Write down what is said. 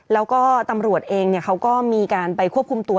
แล้วก็ตำรวจเองเขาก็มีการไปควบคุมตัว